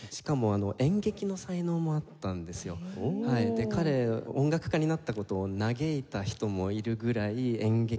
で彼音楽家になった事を嘆いた人もいるぐらい演劇の才能があって。